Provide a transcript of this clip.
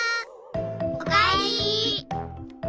おかえり。